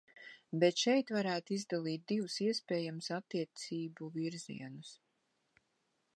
Bet šeit varētu izdalīt divus iespējamus attiecību virzienus.